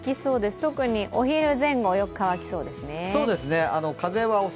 特にお昼前後、よく乾きそうですね